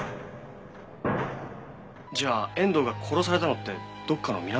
じゃあ遠藤が殺されたのってどっかの港？